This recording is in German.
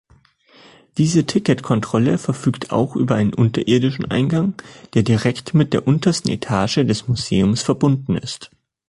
Diese Ticketkontrolle verfügt auch über einen unterirdischen Eingang, der direkt mit der untersten Etage des Museums verbunden ist.